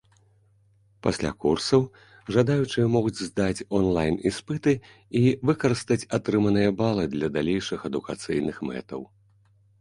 Пасля курсаў жадаючыя могуць здаць онлайн-іспыты і выкарыстаць атрыманыя балы для далейшых адукацыйных мэтаў.